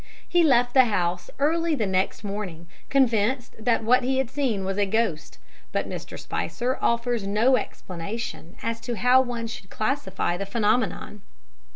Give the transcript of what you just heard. He left the house early next morning, convinced that what he had seen was a ghost, but Mr. Spicer offers no explanation as to how one should classify the phenomenon.